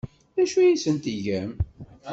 D acu ay asen-tgam?